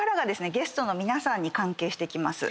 ゲストの皆さんに関係してきます。